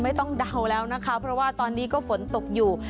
เดาแล้วนะคะเพราะว่าตอนนี้ก็ฝนตกอยู่